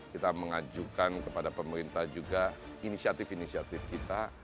kita mengajukan kepada pemerintah juga inisiatif inisiatif kita